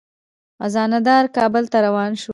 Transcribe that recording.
خزانه دار کابل ته روان شو.